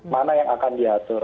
mana yang akan diatur